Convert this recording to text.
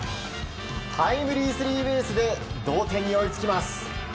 タイムリースリーベースで同点に追いつきます。